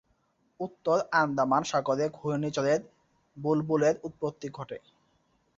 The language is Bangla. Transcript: উত্তর আন্দামান সাগরে ঘূর্ণিঝড়ের বুলবুলের উৎপত্তি ঘটে।